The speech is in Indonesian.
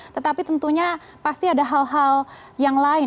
tetapi tentunya pasti ada hal hal yang lain